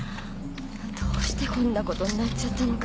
どうしてこんなことになっちゃったのか。